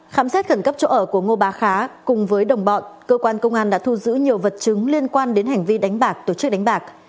khám xét khẩn cấp chỗ ở của ngô bá khá cùng với đồng bọn cơ quan công an đã thu giữ nhiều vật chứng liên quan đến hành vi đánh bạc tổ chức đánh bạc